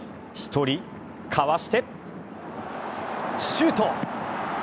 １人かわしてシュート！